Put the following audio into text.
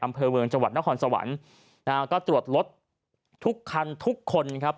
อำเภอเมืองจังหวัดนครสวรรค์นะฮะก็ตรวจรถทุกคันทุกคนครับ